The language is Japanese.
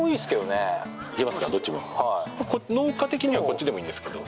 農家的にはこっちでもいいんですけど。